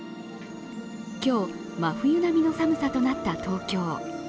今日、真冬並みの寒さとなった東京。